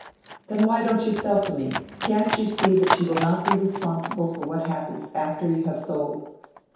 "Then why don't you sell to me? Can't you see that you will not be responsible for what happens after you have sold?"